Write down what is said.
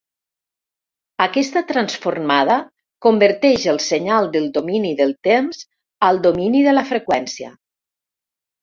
Aquesta transformada converteix el senyal del domini del temps al domini de la freqüència.